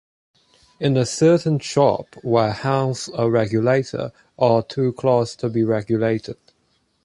In a certain shop where hangs a regulator are two clocks to be regulated.